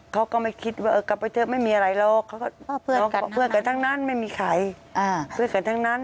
เขาก็ไม่คิดว่ากลับไปเถอะไม่มีอะไรหรอกเพื่อนกันทั้งนั้นไม่มีใครซื้อกันทั้งนั้น